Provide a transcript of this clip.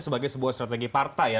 sebagai sebuah strategi partai ya